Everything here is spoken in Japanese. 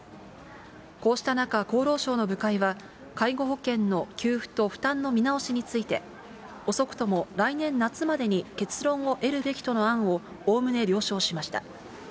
こうした中、厚労省の部会は、介護保険の給付と負担の見直しについて、遅くとも来年夏までに結論を得るべきとの案をおおむね了承しました。